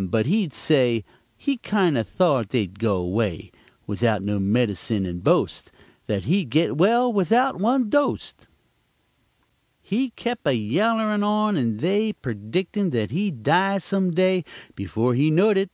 But he'd say He kindo' thought they'd go away Without no medicin', and boast That he'd git well without one doste. He kep' a yellerin' on and they Perdictin' that he'd die some day Before he knowed it!